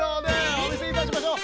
おみせいたしましょう！